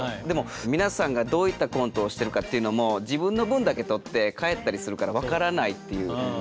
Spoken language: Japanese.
でも皆さんがどういったコントをしてるかっていうのも自分の分だけ撮って帰ったりするから分からないっていう。